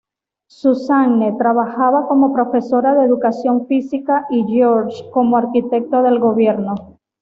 Suzanne trabajaba como profesora de educación física y George como arquitecto del gobierno.